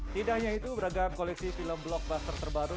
tidak hanya itu beragam koleksi film blockbuster terbaru